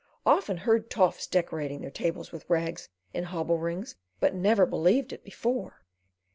"Often heard toffs decorated their tables with rags in hobble rings, but never believed it before."